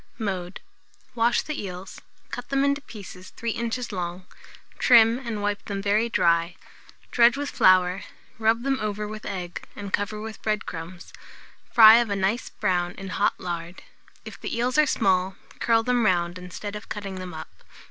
Mode. Wash the eels, cut them into pieces 3 inches long, trim and wipe them very dry; dredge with flour, rub them over with egg, and cover with bread crumbs; fry of a nice brown in hot lard. If the eels are small, curl them round, instead of cutting them up.